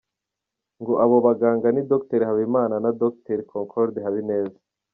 Ngo abo baganga ni Dr Habimana na Dr Concorde Habineza.